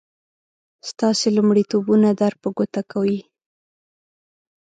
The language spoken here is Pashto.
ستاسې لومړيتوبونه در په ګوته کوي.